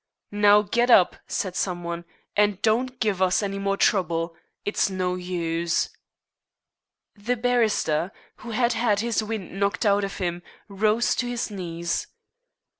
"Now, get up," said some one, "and don't give us any more trouble. It's no use." The barrister, who had had his wind knocked out of him, rose to his knees.